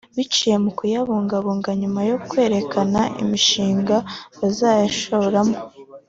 biciye mu kuyabaguriza nyuma yo kwerekana imishinga bazayashoramo